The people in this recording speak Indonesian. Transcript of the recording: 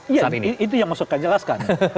iya itu yang masukkan jelas kan